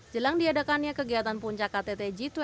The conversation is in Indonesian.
jelang diadakannya kegiatan puncak kttg dua puluh